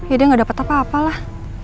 ya dia gak dapet apa apalah